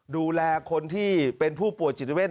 ดูแลคนที่เป็นผู้ป่วยจิตเวท